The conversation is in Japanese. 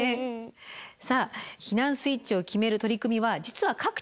さあ避難スイッチを決める取り組みは実は各地で進んでいます。